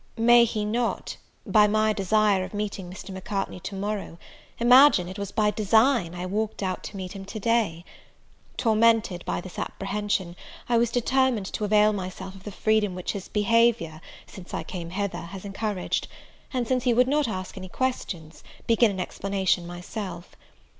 May he not, by my desire of meeting Mr. Macartney to morrow, imagine it was by design I walked out to meet him to day? Tormented by this apprehension, I determined to avail myself of the freedom which his behaviour, since I came hither, has encouraged; and, since he would not ask any questions, begin an explanation myself.